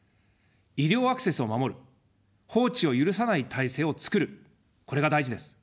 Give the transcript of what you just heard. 医療アクセスを守る、放置を許さない体制を作る、これが大事です。